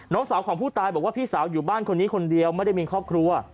สาวของผู้ตายบอกว่าพี่สาวอยู่บ้านคนนี้คนเดียวไม่ได้มีครอบครัว